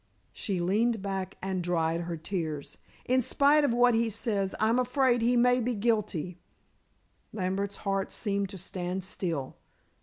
She leaned back and dried her tears. "In spite of what he says, I am afraid he may be guilty." Lambert's heart seemed to stand still.